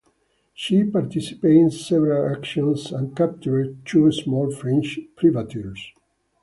She participated in several actions and captured two small French privateers.